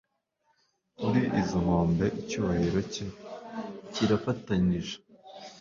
kuri izo nkombe icyubahiro cye kirafatanije